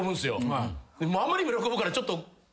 あまりにも喜ぶからちょっと。